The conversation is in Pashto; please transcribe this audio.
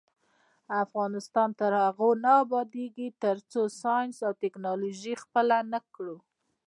افغانستان تر هغو نه ابادیږي، ترڅو ساینس او ټیکنالوژي خپله نکړو.